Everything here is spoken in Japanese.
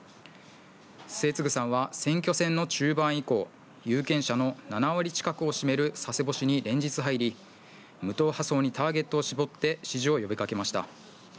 末次さんは選挙戦の中盤以降有権者の７割近くを占める、佐世保市に連日入り無党派層にターゲットを絞って、支持を呼びかけました。